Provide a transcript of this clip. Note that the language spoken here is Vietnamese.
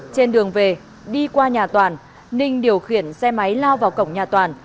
trên đường về đi qua nhà toàn ninh điều khiển xe máy lao vào cổng nhà toàn